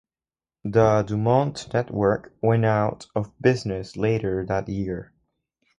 The DuMont network went out of business later that year.